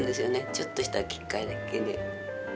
ちょっとしたきっかけで。